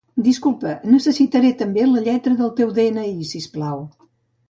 Disculpa, necessitaré també la lletra del teu de-ena-i, si us plau.